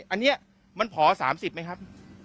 อันนี้มันพอ๓๐ไหมครับ